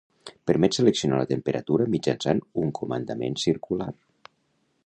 Permet seleccionar la temperatura mitjançant un comandament circular.